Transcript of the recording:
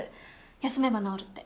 休めば治るって。